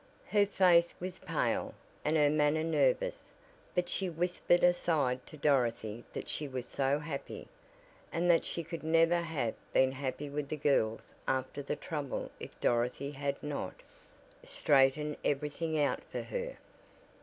Her face was pale, and her manner nervous, but she whispered aside to Dorothy that she was so happy, and that she could never have been happy with the girls after the trouble if Dorothy had not "straightened every thing out for her."